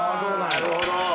なるほど！